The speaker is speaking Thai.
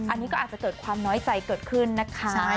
อันนี้ก็อาจจะเกิดความน้อยใจเกิดขึ้นนะคะ